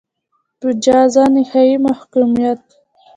په جزا باندې نهایي محکومیت.